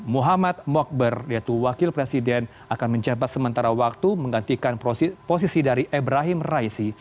muhammad mokber yaitu wakil presiden akan menjabat sementara waktu menggantikan posisi dari ibrahim raisi